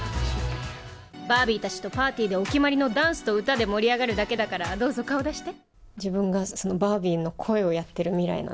バービーたちとパーティーでお決まりのダンスと歌で盛り上がるだけだからどうぞ、顔出して。